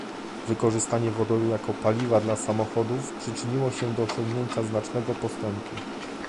Wykorzystanie wodoru jako paliwa dla samochodów przyczyniło się do osiągnięcia znacznego postępu